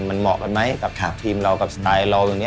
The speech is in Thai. มันเหมาะกันไหมกับทีมเรากับสไตล์เราตรงนี้